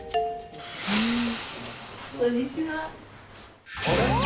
こんにちは。